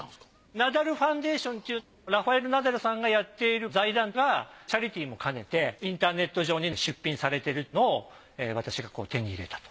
ナダルファンデーションっていうラファエル・ナダルさんがやっている財団がチャリティーを兼ねてインターネット上に出品されているのを私が手に入れたと。